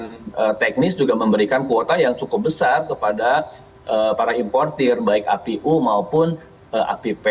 dan teknis juga memberikan kuota yang cukup besar kepada para importer baik apu maupun app